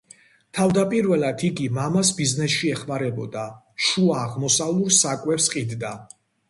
თავდაპირველად იგი მამას ბიზნესში ეხმარებოდა: შუა აღმოსავლურ საკვებს ყიდდა.